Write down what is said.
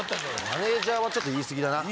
マネジャーはちょっと言い過ぎだな。